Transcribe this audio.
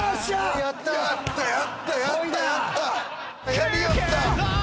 やりよった。